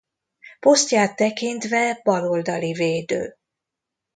Posztját tekintve bal oldali védő.